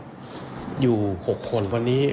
ก็มีการออกรูปรวมปัญญาหลักฐานออกมาจับได้ทั้งหมด